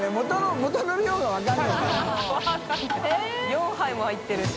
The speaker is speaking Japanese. ４杯も入ってるし。